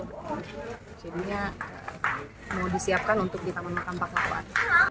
jadi mau disiapkan untuk di taman makam pahlawan